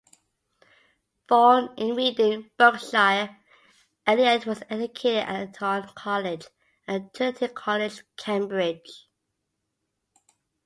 Born in Reading, Berkshire, Elliott was educated at Eton College and Trinity College, Cambridge.